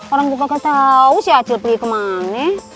orang buka kata tau si acil pergi kemana